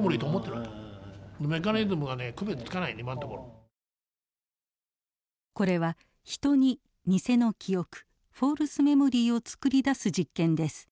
それはごもっともでこれは人に偽の記憶フォールスメモリーを作り出す実験です。